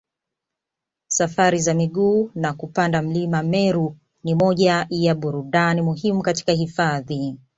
Safari za miguu na kupanda mlima Meru ni moja ya burudani muhimu katika hifadhi